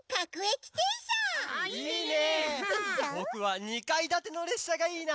ぼくは２かいだてのれっしゃがいいな！